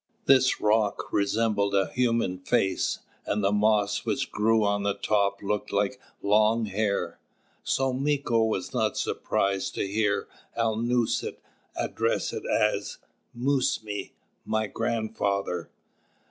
This Rock resembled a human face, and the moss which grew on the top looked like long hair, so Mīko was not surprised to hear Alnūset address it as: "Mūs mī," my grandfather.